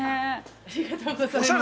◆ありがとうございます。